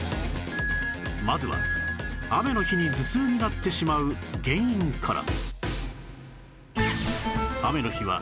まずは雨の日に頭痛になってしまう原因から